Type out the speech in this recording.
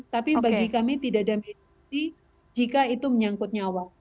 tapi bagi kami tidak ada mediasi jika itu menyangkut nyawa